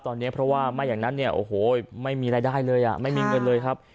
ตอนนี้เพราะว่าไม่อย่างนั้นเนี่ยโอ้โหไม่มีรายได้เลยอ่ะไม่มีเงินเลยครับ